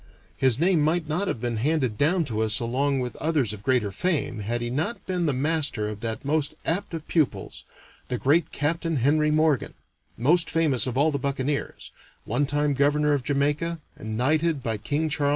His name might not have been handed down to us along with others of greater fame had he not been the master of that most apt of pupils, the great Captain Henry Morgan, most famous of all the buccaneers, one time governor of Jamaica, and knighted by King Charles II.